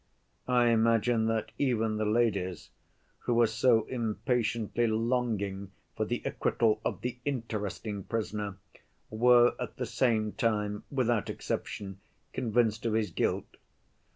I imagine that even the ladies, who were so impatiently longing for the acquittal of the interesting prisoner, were at the same time, without exception, convinced of his guilt.